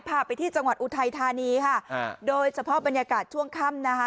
พาไปที่จังหวัดอุทัยธานีค่ะโดยเฉพาะบรรยากาศช่วงค่ำนะคะ